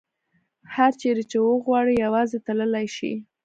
هر چیرې چې وغواړي یوازې تللې شي.